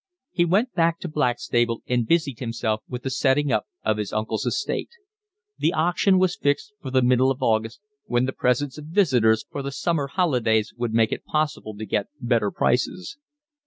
He went back to Blackstable and busied himself with the settling up of his uncle's estate. The auction was fixed for the middle of August, when the presence of visitors for the summer holidays would make it possible to get better prices.